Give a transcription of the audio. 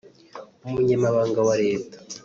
Umunyamabanga wa leta